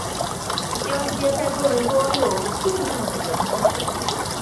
央街在多伦多有着重要的影响。